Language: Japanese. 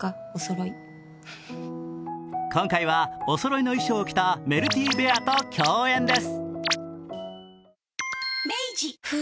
今回はおそろいの衣装を着たメルティベアと共演です。